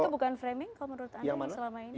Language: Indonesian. itu bukan framing kalau menurut anda selama ini